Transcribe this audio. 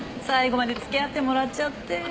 最後まで付き合ってもらっちゃって。